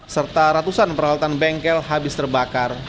serta ratusan peralatan bengkel habis terbakar